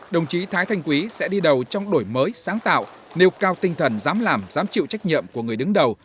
đồng chí thái thanh quý sẽ đi đầu trong đổi mới sáng tạo nêu cao tinh thần dám làm dám chịu trách nhiệm của người đứng đầu